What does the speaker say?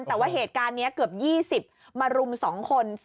แต่ว่าเหตุการณ์นี้เกือบ๒๐มารุม๒คน